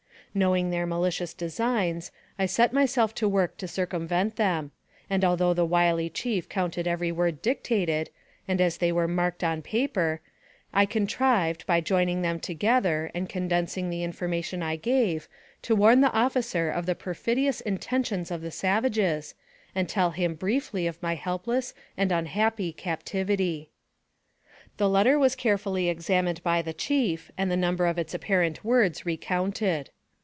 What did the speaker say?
Knowing their malicious designs, I set myself to work to circumvent them; and although the wily chief counted every word dictated, and as they were marked on paper, I contrived, by joining them together, and condensing the information I gave, to warn the officer of the perfidious intentions of the savages, and tell him briefly of my helpless and unhappy captivity. The letter was carefully examined by the chief, and the number of its apparent words recounted.